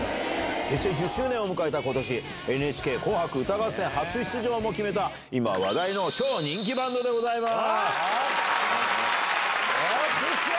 結成１０周年を迎えたことし、ＮＨＫ紅白歌合戦初出場も決めた、今話題の超人気バンドでございます。